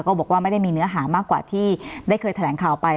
บอกว่าไม่ได้มีเนื้อหามากกว่าที่ได้เคยแถลงข่าวไป